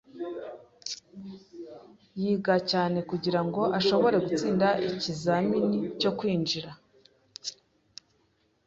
Yiga cyane kugirango ashobore gutsinda ikizamini cyo kwinjira.